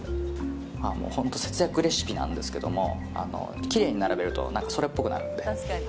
本当に節約レシピなんですけどきれいに並べるとそれっぽくなるので。